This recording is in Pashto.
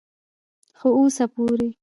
خو اوسه پورې